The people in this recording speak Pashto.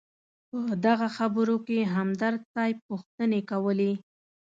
په دغه خبرو کې همدرد صیب پوښتنې کولې.